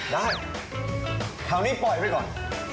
ได้คราวนี้ปล่อยไปก่อน